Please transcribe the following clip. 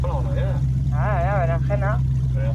Bi euskal taldeek ez dituzte indarrak neurtuko finalerdietan.